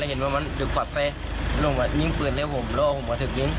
เห็นว่ามันดึกควัดใส่ลงมานิย์มินญิงเขาเถิกยิ้ง